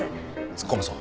突っ込むぞ。